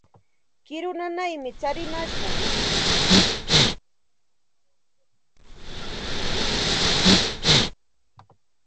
Kiru nanaymi tsarimashqan.